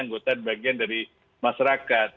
anggota bagian dari masyarakat